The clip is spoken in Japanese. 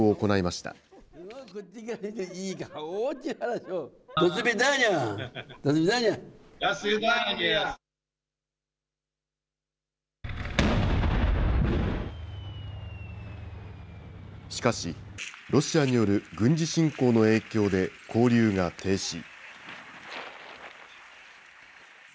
しかし、ロシアによる軍事侵攻の影響で交流が停止。